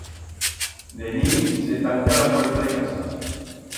De nit se tanca la puerta de casa.